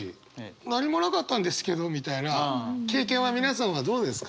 何もなかったんですけどみたいな経験は皆さんはどうですか？